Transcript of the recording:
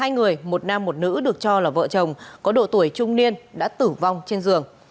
hai người một nam một nữ được cho là vợ chồng có độ tuổi trung niên đã tử vong trên giường